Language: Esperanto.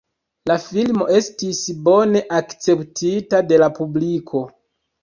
La filmo estis bone akceptita de la publiko.